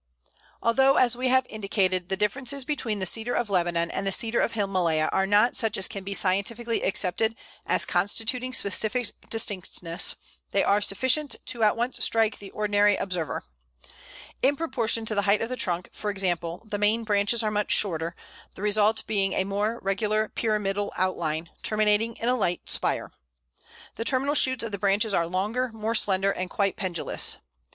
Although, as we have indicated, the differences between the Cedar of Lebanon and the Cedar of Himalaya are not such as can be scientifically accepted as constituting specific distinctness, they are sufficient to at once strike the ordinary observer. In proportion to the height of the trunk, for example, the main branches are much shorter, the result being a more regular pyramidal outline, terminating in a light spire. The terminal shoots of the branches are longer, more slender, and quite pendulous.